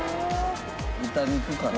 豚肉かな？